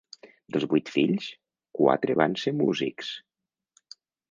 Dels vuit fills, quatre van ser músics.